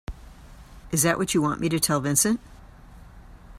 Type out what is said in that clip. Is that what you want me to tell Vincent?